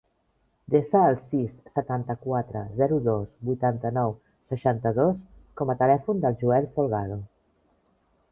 Desa el sis, setanta-quatre, zero, dos, vuitanta-nou, seixanta-dos com a telèfon del Joel Folgado.